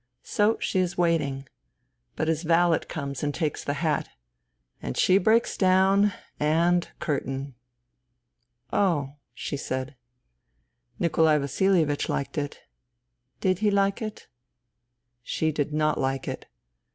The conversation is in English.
So she is waiting. But his valet comes and takes the hat ; and she breaks down — and curtain !"" Oh," she said. " Nikolai Vasilievich liked it," I observed. " Did he like it ?" She did not like it.